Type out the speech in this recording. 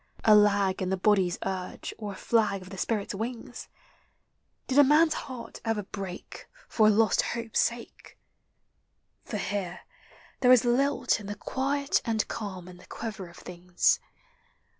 A lag in the body's urge or a flag of the spirits wings? Did a man's heart ever break For a lost hope's sake? For here there is lilt in the quiet and calm in the quiver of things.